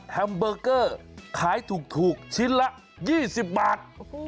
เบอร์เกอร์ขายถูกชิ้นละ๒๐บาท